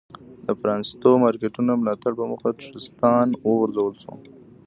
د پ رانیستو مارکېټونو ملاتړ په موخه ټرستان وغورځول شول.